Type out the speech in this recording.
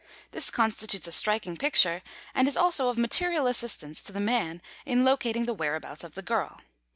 This constitutes a striking picture; and is also of material assistance to the man in locating the whereabouts of the girl.